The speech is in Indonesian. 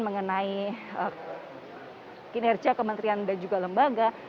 mengenai kinerja kementerian dan juga lembaga